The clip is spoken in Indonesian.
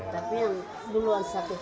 tapi yang duluan sakit